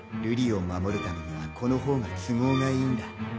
瑠璃を守るためにはこの方が都合がいいんだ。